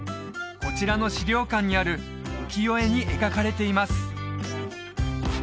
こちらの資料館にある浮世絵に描かれています